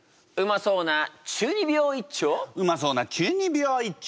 うまそうな中二病一丁！